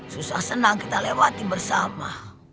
susah senang kita lewati bersama